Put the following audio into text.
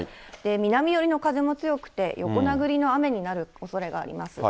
南寄りの風も強くて、横殴りの雨になるおそれがあります。